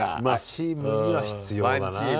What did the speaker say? まあチームには必要だな。